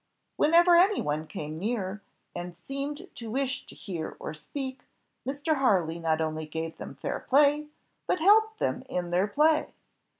Whenever any one came near, and seemed to wish to hear or speak, Mr. Harley not only gave them fair play, but helped them in their play.